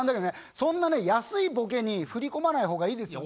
そんなね安いボケに振り込まない方がいいですよね。